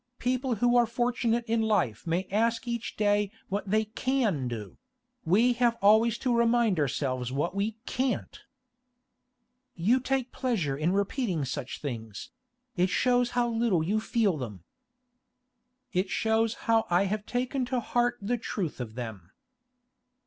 People who are fortunate in life may ask each day what they can do; we have always to remind ourselves what we can't.' 'You take a pleasure in repeating such things; it shows how little you feel them.' 'It shows how I have taken to heart the truth of them.